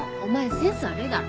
センス悪いだろ？